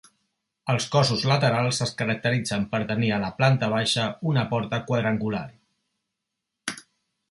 Els cossos laterals es caracteritzen per tenir a la planta baixa una porta quadrangular.